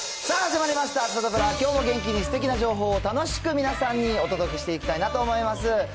さあ始まりました、サタプラ、きょうも元気にすてきな情報を楽しく皆さんにお届けしていきたいなと思います。